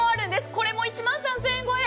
これも１万３０００円超え。